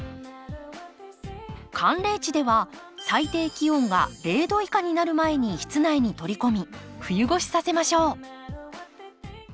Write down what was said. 寒冷地では最低気温が０度以下になる前に室内に取り込み冬越しさせましょう。